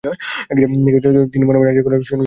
তিনি মনে মনে হাসিয়া কহিলেন, শুনেছি ললিতার খুব বুদ্ধি।